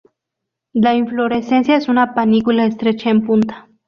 La inflorescencia es una panícula estrecha en punta.